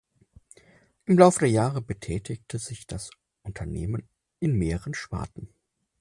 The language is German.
Im Laufe der Jahre betätigte sich das Unternehmen in mehreren Sparten.